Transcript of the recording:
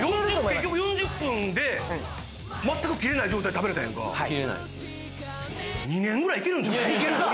結局４０分で全く切れない状態で食べれたやんかはい切れないですねイケるか！